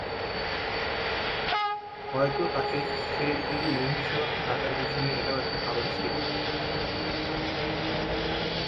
হয়তো তাকে 'শের-ই-মহীশূর' ডাকার পিছনে এটাও একটা কারণ ছিলো।